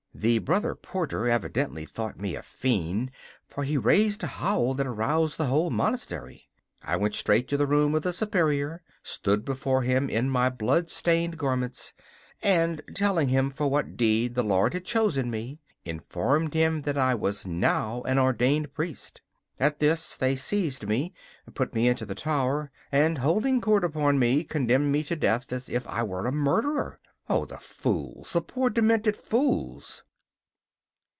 The brother porter evidently thought me a fiend, for he raised a howl that aroused the whole monastery. I went straight to the room of the Superior, stood before him in my bloodstained garments, and, telling him for what deed the Lord had chosen me, informed him that I was now an ordained priest. At this they seized me, put me into the tower, and, holding court upon me, condemned me to death as if I were a murderer. Oh, the fools, the poor demented fools!